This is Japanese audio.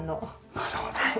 なるほど。